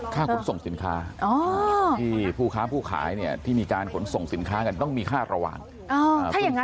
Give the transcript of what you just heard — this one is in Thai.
ขนส่งสินค้าที่ผู้ค้าผู้ขายเนี่ยที่มีการขนส่งสินค้ากันต้องมีค่าระหว่าง